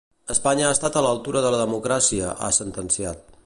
Espanya ha estat a l'altura de la democràcia, ha sentenciat.